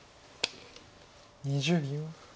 ２０秒。